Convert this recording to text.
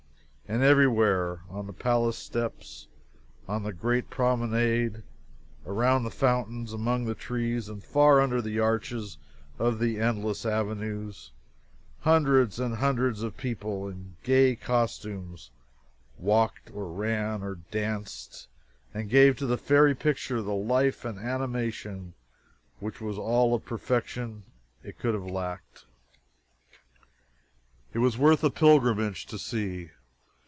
And every where on the palace steps, and the great promenade, around the fountains, among the trees, and far under the arches of the endless avenues hundreds and hundreds of people in gay costumes walked or ran or danced, and gave to the fairy picture the life and animation which was all of perfection it could have lacked. It was worth a pilgrimage to see.